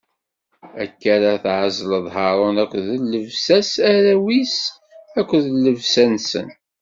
Akka ara tɛezleḍ Haṛun akked llebsa-s, arraw-is akked llebsa-nsen.